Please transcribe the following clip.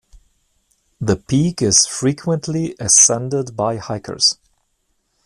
The peak is frequently ascended by hikers.